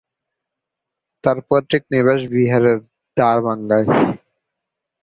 তার পৈতৃক নিবাস বিহারের দারভাঙ্গায়।